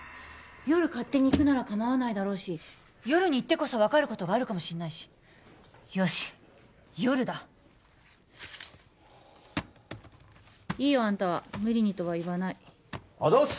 夜勝手に行くなら構わないだろうし夜に行ってこそ分かることがあるかもしんないしよし夜だいいよあんたは無理にとは言わないあざーっす